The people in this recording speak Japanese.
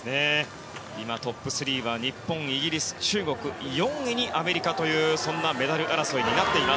今トップ３は日本、イギリス、中国４位にアメリカというそんなメダル争いです。